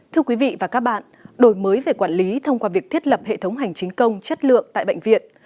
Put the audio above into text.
thưa quý vị và các bạn đổi mới về quản lý thông qua việc thiết lập hệ thống hành chính công chất lượng tại bệnh viện